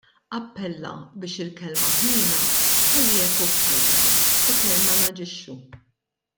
Appella biex il-kelma ' ħniena' tħalli eku f'qalbna u tgħinna naġixxu.